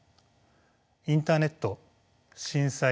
インターネット震災